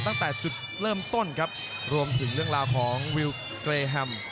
ตั้งแต่จุดเริ่มต้นครับรวมถึงเรื่องราวของวิวเตรแฮม